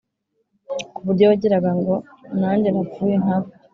kuburyo wagirango najye napfuye nkabo